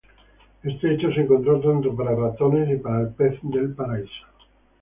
Este hecho se encontró tanto para ratones y para el pez del paraíso.